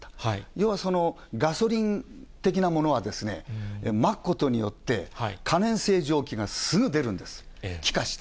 要はガソリン的なものは、まくことによって、可燃性蒸気がすぐ出るんです、気化して。